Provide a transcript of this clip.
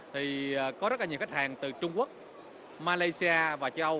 thì có rất là nhiều khách hàng từ trung quốc malaysia và châu âu